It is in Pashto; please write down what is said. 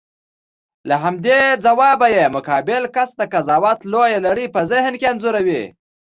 له همدې ځوابه یې مقابل کس د قضاوت لویه لړۍ په ذهن کې انځوروي.